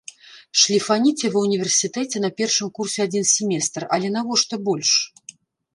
Шліфаніце ва ўніверсітэце на першым курсе адзін семестр, але навошта больш?